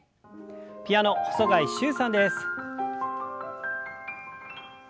ピアノ細貝柊さんです。